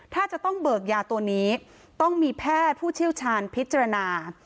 ถ้าจะต้องเบิกยาตัวนี้ต้องมีแพทย์ผู้เชี่ยวชาญพิจารณา